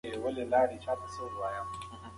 عاجزي انسان ته لوړوالی بښي.